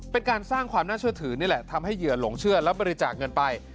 เป็นการสร้างความน่าเชื่อถือนี่แหละทำให้เหยื่อหลงเชื่อและบริจาคเงินไป